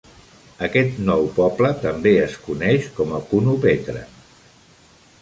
Aquest nou poble també es coneix com a Kounopetra.